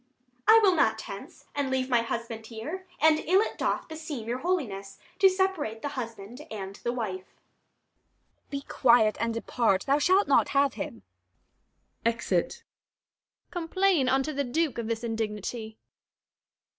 Adr. I will not hence, and leave my husband here: And ill it doth beseem your holiness 110 To separate the husband and the wife. Abb. Be quiet, and depart: thou shalt not have him. [Exit. Luc. Complain unto the Duke of this indignity.